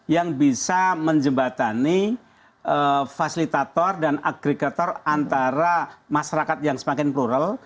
yang bisa menjembatani fasilitator dan agregator antara masyarakat yang semakin plural